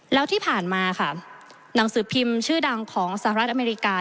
แล้วที่ผ่านมาค่ะหนังสือพิมพ์ชื่อดังของสหรัฐอเมริกา